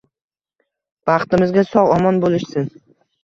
Baxtimizga sog`-omon bo`lishsin